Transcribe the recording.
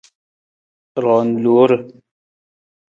Roon loor.